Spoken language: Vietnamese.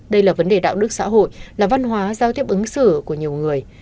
đây là vấn đề đạo đức xã hội là văn hóa giao tiếp ứng xử của nhiều người